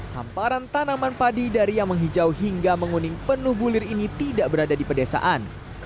hamparan tanaman padi dari yang menghijau hingga menguning penuh bulir ini tidak berada di pedesaan